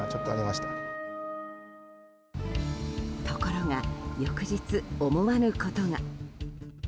ところが、翌日思わぬことが。